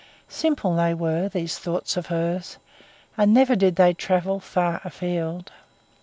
Simple they were, these thoughts of hers, and never did they travel far afield.